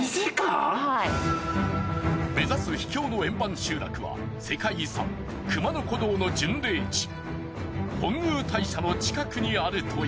目指す秘境の円盤集落は世界遺産熊野古道の巡礼地本宮大社の近くにあるという。